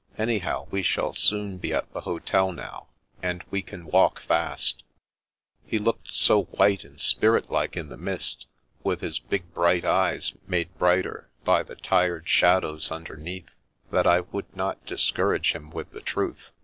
Anyhow, we shall soon be at the hotel now, and we can walk fast" He looked so white and spirit like in the mist, with his big bright eyes made brighter by the tired shadows underneath, that I would not discourage him with the truth.